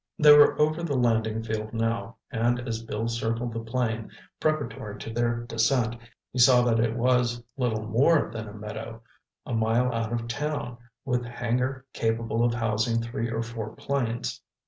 They were over the landing field now, and as Bill circled the plane, preparatory to their descent, he saw that it was little more than a meadow, a mile out of town, with hangar capable of housing three or four planes.